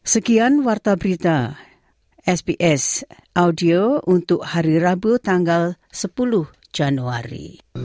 sekian warta berita sps audio untuk hari rabu tanggal sepuluh januari